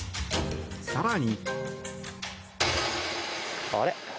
更に。